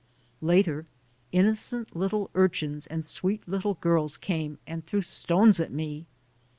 Later, innocent little urchins and sweet little girls came and threw stones at me.